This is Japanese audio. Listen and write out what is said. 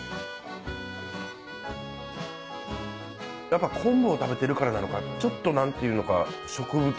やっぱ昆布を食べてるからなのかちょっと何ていうのか植物